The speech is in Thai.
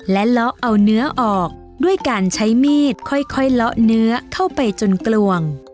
และเลาะเอาเนื้อออกด้วยการใช้มีดค่อยเลาะเนื้อเข้าไปจนกลวง